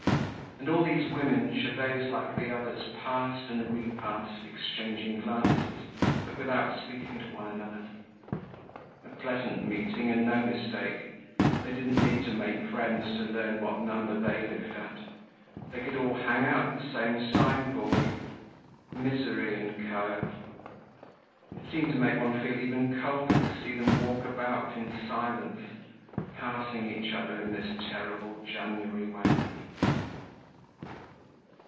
And all these women, Gervaise like the others, passed and repassed, exchanging glances, but without speaking to one another. A pleasant meeting and no mistake. They didn't need to make friends to learn what number they lived at. They could all hang out the same sideboard, "Misery & Co." It seemed to make one feel even colder to see them walk about in silence, passing each other in this terrible January weather.